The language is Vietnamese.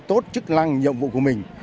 tốt chức năng nhiệm vụ của mình